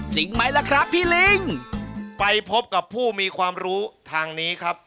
จริงไหมล่ะครับพี่ลิงไปพบกับผู้มีความรู้ทางนี้ครับ